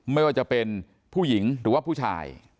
ไม่ว่าจะเป็นผู้หญิงหรือว่าผู้ชาย